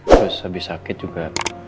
terus habis sakit juga